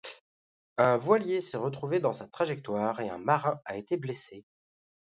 Un voilier s'est retrouvé dans sa trajectoire et un marin a été blessé.